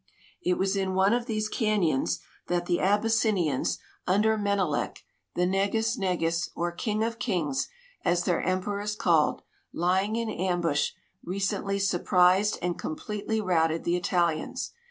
It was in one of these can yons that the Abyssinians, under Menelek, the Negus Negus or King of Kings, as their emperor is called, lying in ambush, recently surprised and completely routed the Italians.